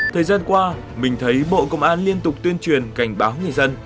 thời gian qua mình thấy bộ công an liên tục tuyên truyền cảnh báo người dân